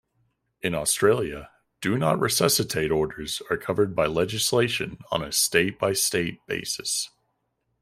In Australia, Do Not Resuscitate orders are covered by legislation on a state-by-state basis.